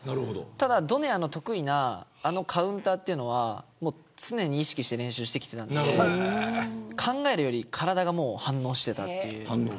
ただ、ドネアの得意なあのカウンターというのは常に意識して練習してきたので考えるより体が反応していた。